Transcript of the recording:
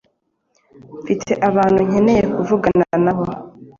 mfite abantu nkeneye kuvugana nabo